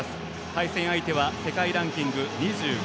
対戦相手は世界ランキング２５位。